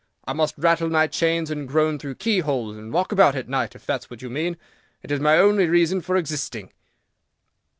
I must rattle my chains, and groan through keyholes, and walk about at night, if that is what you mean. It is my only reason for existing."